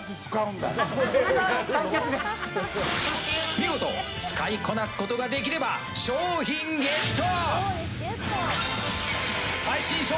見事使いこなすことができれば商品ゲット！